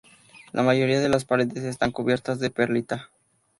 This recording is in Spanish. La mayoría de las paredes estaban cubiertas de perlita.